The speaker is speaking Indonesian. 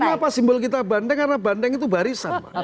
kenapa simbol kita bandeng karena bandeng itu barisan pak